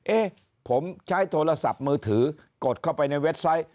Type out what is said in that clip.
เอ๊ะผมใช้โทรศัพท์มือถือกดเข้าไปในเว็บไซต์